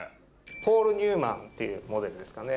ポール・ニューマンっていうモデルですかね。